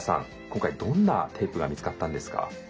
今回どんなテープが見つかったんですか？